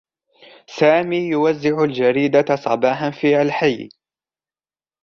سامي يوزع الجريدة صباحا في الحي.